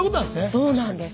そうなんです。